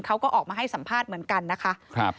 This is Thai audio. เขาก็ออกมาให้สัมภาษณ์เหมือนกันนะคะ